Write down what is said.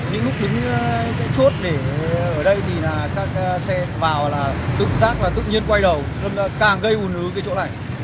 những lúc đứng chốt để ở đây thì các xe vào là tự nhiên quay đầu càng gây hùn hứa cái chỗ này